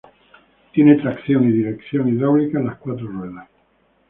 Tiene tracción y dirección hidráulica en las cuatro ruedas.